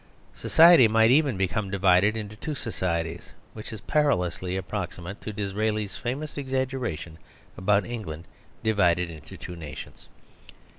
Society might even become divided into two societies; which is perilously approximate to Disraeli's famous exaggeration about England divided into two nations.